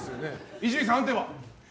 伊集院さん、判定は？